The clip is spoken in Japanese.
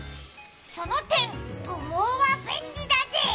その点、羽毛は便利だぜ！